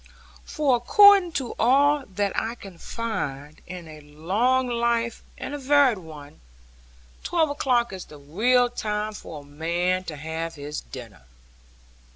For according to all that I can find, in a long life and a varied one, twelve o'clock is the real time for a man to have his dinner.